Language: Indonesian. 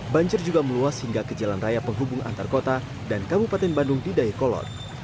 banjir juga meluas hingga ke jalan raya penghubung antar kota dan kabupaten bandung di dayakolot